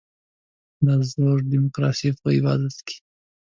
دا زور د ډیموکراسۍ په عبادت کې.